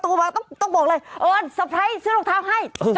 ซื้อให้มันต้องมีในกล่องไว้ล่ะ